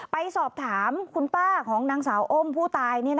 ไปสอบถามคุณป้าของนางสาวอ้มผู้ตาย